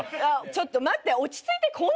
ちょっと待って落ち着いて。